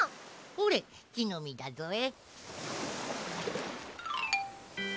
ほれきのみだぞえ。